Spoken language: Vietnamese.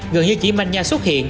gần như chỉ manh nha xuất hiện